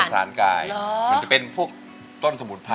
อันดับนี้เป็นแบบนี้